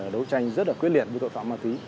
đấu tranh rất là quyết liệt với tội phạm ma túy